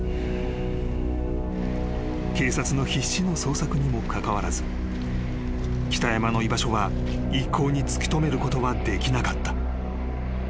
［警察の必死の捜索にもかかわらず北山の居場所は一向に突き止めることはできなかった］